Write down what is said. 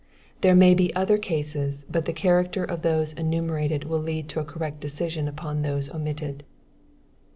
There may be other cases, but the character of those enumerated will lead to a correct decision upon those omitted.